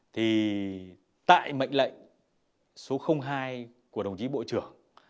thì tại mệnh lệnh số hai của đồng chí bộ trưởng